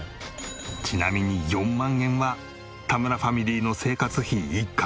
ちなみに４万円は田村ファミリーの生活費１カ月分。